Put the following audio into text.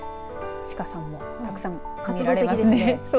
鹿さんもたくさん見られますね。